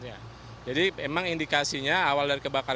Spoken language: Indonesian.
ya jadi memang indikasinya awal dari kebakaran